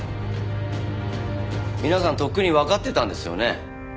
皆さんとっくにわかってたんですよね？